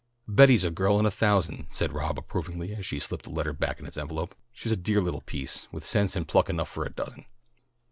"Betty's a girl in a thousand!" said Rob approvingly as she slipped the letter back in its envelope. "She's a dear little piece, with sense and pluck enough for a dozen."